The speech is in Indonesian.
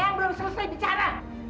eang belum selesai bicara